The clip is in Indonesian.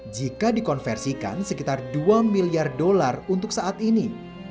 jika dikonversikan sekitar dua miliar dolar untuk saat ini